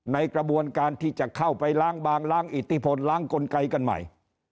ในกระบวนการที่จะเข้าไปล้างบางล้างอิทธิพลล้างกลไกกันใหม่